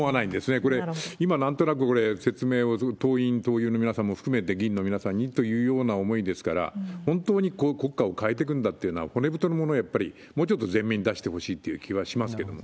これ、今、なんとなく説明、党員・党友の皆さんも含めて、議員の皆さんにというような思いですから、本当に国家を変えていくんだっていうのは、骨太のものをやっぱり、もうちょっと前面に出してほしいって気がしますけれどもね。